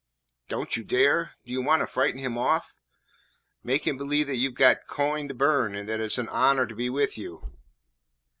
"Don't you dare? Do you want to frighten him off? Make him believe that you 've got coin to burn and that it 's an honour to be with you."